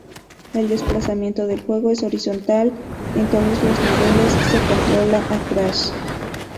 El desplazamiento del juego es horizontal, en todos los niveles se controla a Crash.